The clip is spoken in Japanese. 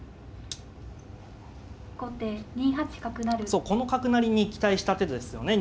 そうこの角成りに期待した手ですよね